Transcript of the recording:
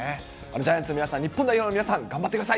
ジャイアンツの皆さん、日本代表の皆さん、頑張ってください。